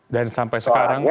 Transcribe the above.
dan sampai sekarang iya